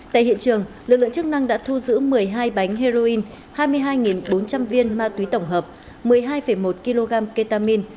tại hiện trường lực lượng chức năng đã thu giữ một mươi hai bánh heroin hai mươi hai bốn trăm linh viên ma túy tổng hợp một mươi hai một kg ketamine